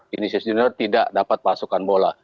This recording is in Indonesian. junisius junior tidak dapat pasukan bola